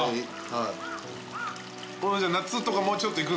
はい。